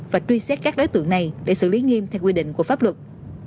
và truy xét các đối tượng này để xử lý nghiêm theo quy định của pháp luật